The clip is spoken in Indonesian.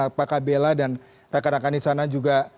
apakah bella dan rekan rekan di sana juga